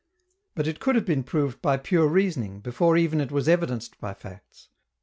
But it could have been proved by pure reasoning, before even it was evidenced by facts.